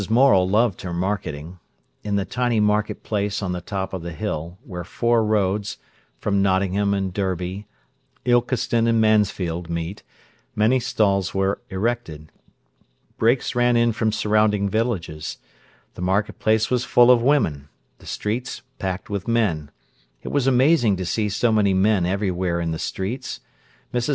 Morel loved her marketing. In the tiny market place on the top of the hill, where four roads, from Nottingham and Derby, Ilkeston and Mansfield, meet, many stalls were erected. Brakes ran in from surrounding villages. The market place was full of women, the streets packed with men. It was amazing to see so many men everywhere in the streets. Mrs.